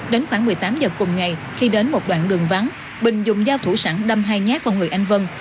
đến khoảng một mươi tám giờ cùng ngày khi đến một đoạn đường vắng bình dùng dao thủ sẵn đâm hai nhát vào người anh vân